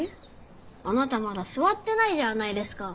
あなたまだすわってないじゃあないですか？